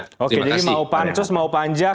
jadi mau pansus mau panjak